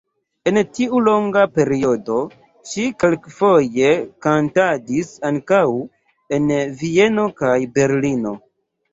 En tiu longa periodo ŝi kelkfoje kantadis ankaŭ en Vieno kaj Berlino.